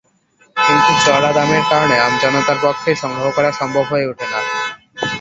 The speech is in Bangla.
কিন্তু চড়া দামের কারণে আমজনতার পক্ষে সংগ্রহ করা সম্ভব হয়ে ওঠে না।